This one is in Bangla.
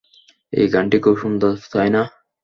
এই গানটি খুব সুন্দর, তাই না?